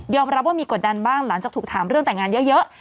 รับว่ามีกดดันบ้างหลังจากถูกถามเรื่องแต่งงานเยอะ